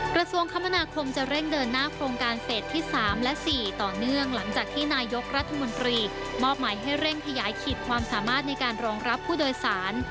กระทรวงคมนาคมจะเร่งเดินหน้าโครงการเฟสที่๓และ๔ต่อเนื่องหลังจากที่นายกรัฐมนตรีมอบหมายให้เร่งขยายขีดความสามารถในการรองรับผู้โดยสาร